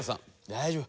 大丈夫。